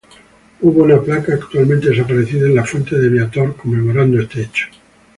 Hubo una placa, actualmente desaparecida, en la fuente de Viator conmemorando este hecho.